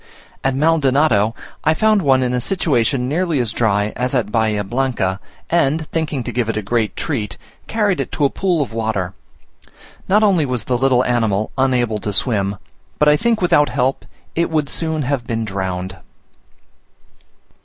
At Maldonado, I found one in a situation nearly as dry as at Bahia Blanca, and thinking to give it a great treat, carried it to a pool of water; not only was the little animal unable to swim, but I think without help it would soon have been drowned.